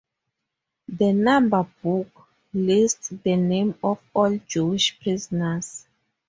The "Number Book" lists the names of all Jewish prisoners.